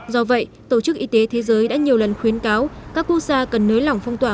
do vậy tổ chức y tế thế giới đã nhiều lần khuyến cáo các quốc gia cần nới lỏng phong tỏa